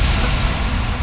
baik aku juga baik ya